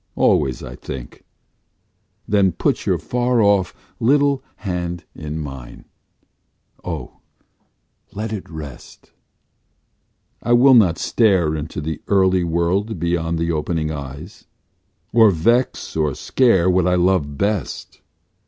Always I think. Then put your far off little hand in mine; Oh! let it rest; I will not stare into the early world beyond the opening eyes, Or vex or scare what I love best.